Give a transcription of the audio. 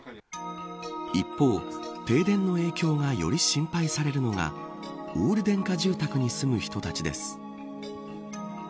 一方、停電の影響がより心配されるのがオール電化住宅に住む人たちです。